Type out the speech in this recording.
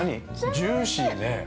ジューシーね。